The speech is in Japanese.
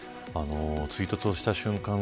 追突をした瞬間